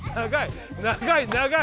長い。